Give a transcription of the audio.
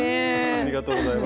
ありがとうございます。